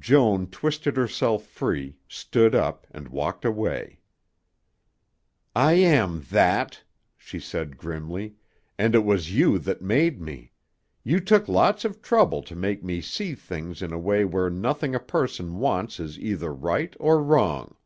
Joan twisted herself free, stood up, and walked away. "I am that!" she said grimly; "and it was you that made me. You took lots of trouble to make me see things in a way where nothing a person wants is either right or wrong.